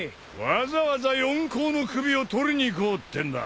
わざわざ四皇の首を取りに行こうってんだ。